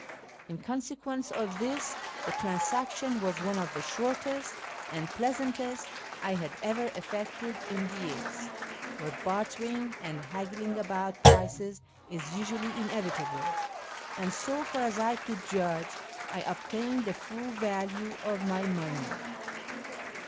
In consequence of this, the trans action was one of the shortest and pleasantest I had ever effected in the East, where bartering and haggling about prices is usually inevitable ; and, so far as I could judge, I obtained the full value of my money.